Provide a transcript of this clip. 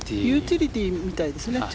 ユーティリティーみたいですね。